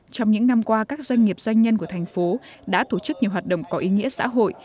trong những năm qua các doanh nghiệp doanh nhân của thành phố đã tổ chức nhiều hoạt động có ý nghĩa xã hội